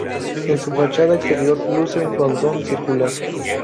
En su fachada exterior luce un frontón circular.